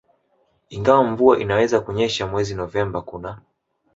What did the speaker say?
ingawa mvua inaweza kunyesha mwezi Novemba Kuna